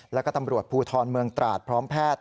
แล้วก็ตำรวจภูทรเมืองตราดพร้อมแพทย์